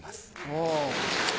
おぉ。